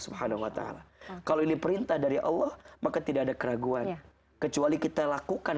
subhanahuwata'ala kalau ini perintah dari allah maka tidak ada keraguan kecuali kita lakukan